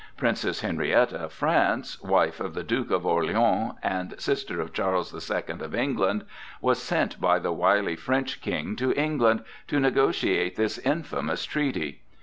Princess Henrietta of France, wife of the Duke of Orleans and sister of Charles the Second of England, was sent by the wily French King to England to negotiate this infamous treaty.